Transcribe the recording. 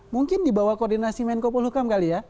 mungkin dibawah koordinasi menko polhukam kali ya